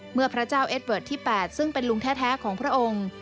พระเจ้าเอสเวิร์ดที่๘ซึ่งเป็นลุงแท้ของพระองค์